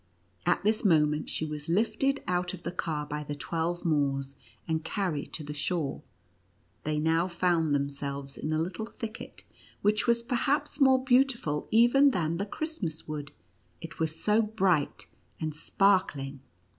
At this moment, she was lifted out of the car by the twelve Moors, and carried to the shore. They now found themselves in a little thicket, which was perhaps more beautiful even than the Christmas Wood, it was so bright and sparkling.